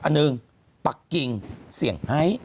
อันหนึ่งปักกิ่งเสี่ยงไฮ